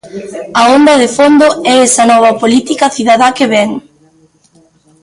A onda de fondo é esa nova política cidadá que vén.